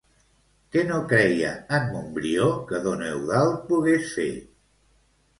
Què no creia en Montbrió que don Eudald pogués fer?